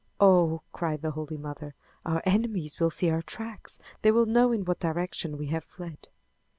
"Oh!" cried the Holy Mother, "Our enemies will see our tracks! They will know in what direction we have fled!"